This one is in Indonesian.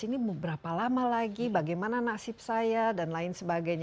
ini berapa lama lagi bagaimana nasib saya dan lain sebagainya